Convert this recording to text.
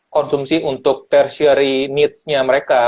konsumsi untuk tertiary needs nya mereka